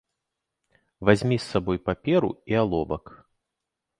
Вазьмі з сабою паперу і аловак.